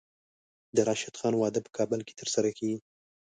د راشد خان واده په کابل کې ترسره کیږي.